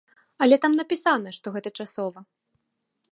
Але там напісана, што гэта часова.